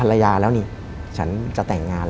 และไม่เคยเข้าไปในห้องมิชชาเลยแม้แต่ครั้งเดียว